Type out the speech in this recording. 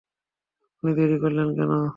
আপনি দেরী করলেন কেন?